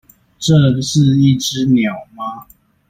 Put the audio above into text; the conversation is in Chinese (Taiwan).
這是一隻鳥嗎？